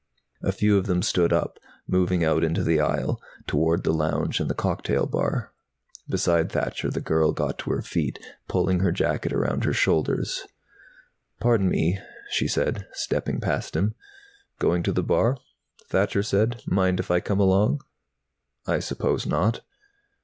A few of them stood up, moving out into the aisle, toward the lounge and the cocktail bar. Beside Thacher the girl got to her feet, pulling her jacket around her shoulders. "Pardon me," she said, stepping past him. "Going to the bar?" Thacher said. "Mind if I come along?" "I suppose not."